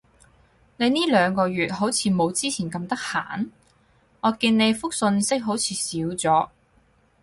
你呢兩個月好似冇之前咁得閒？我見你覆訊息好似少咗